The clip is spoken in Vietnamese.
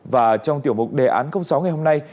và trong tiểu mục đề án sáu ngày hôm nay